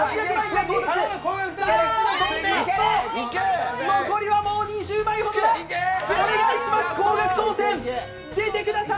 さあ、残りはもう２０枚ほどだお願いします、高額当選、出てください！